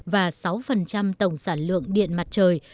và sáu tổng sản lượng điện mặt trời